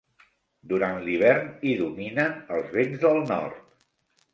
Durant l'hivern hi dominen els vents del nord.